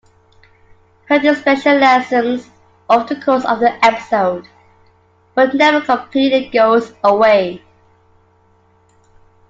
Her displeasure lessens over the course of the episode, but never completely goes away.